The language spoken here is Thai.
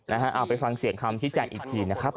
เอาไปฟังเสียงคำชี้แจงอีกทีนะครับ